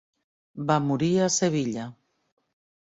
Va morir a Sevilla.